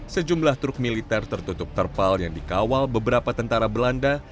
sejumlah truk militer tertutup terpal yang dikawal beberapa tentara belanda